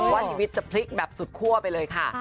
ว่าชีวิตจะพลิกแบบสุดคั่วไปเลยค่ะ